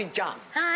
はい。